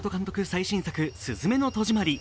最新作「すずめの戸締まり」